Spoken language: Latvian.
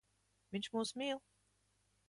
Viņš mūs mīl.